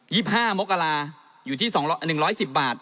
ห้ามกราอยู่ที่สองร้อยหนึ่งร้อยสิบบาท